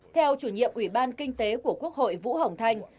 theo chủ nhiệm ủy ban kinh tế của quốc hội vũ hồng thanh